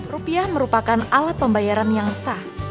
rupiah merupakan alat pembayaran yang sah